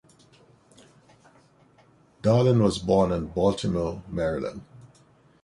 Darling was born in Baltimore, Maryland.